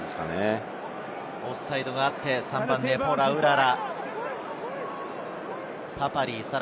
オフサイドがあって、３番、ネポ・ラウララ。